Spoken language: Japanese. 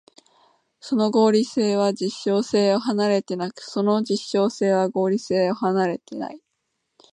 その合理性は実証性を離れてなく、その実証性は合理性を離れてない。